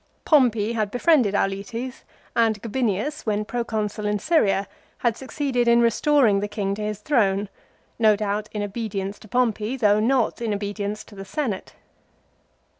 Pompey had befriended Auletes, and Gabinius, when Proconsul in Syria, had succeeded in restoring the king to his throne, no doubt in obedience to Pompey, though not in obedience to the Senate.